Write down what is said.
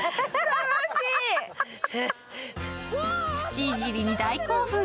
土いじりに大興奮。